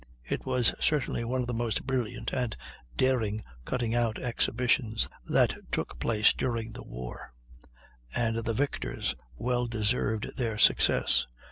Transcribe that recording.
It was certainly one of the most brilliant and daring cutting out expeditions that took place during the war, and the victors well deserved their success.